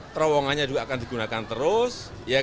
terowongannya juga akan digunakan terus